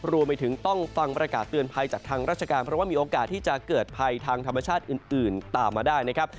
รวมไปถึงต้องฟังประกาศเตือนภัยจากทางราชการเพราะว่ามีโอกาสที่จะเกิดภัยทางธรรมชาติอื่นตามมาได้นะครับ